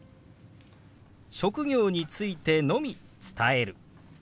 職業についてのみ伝える。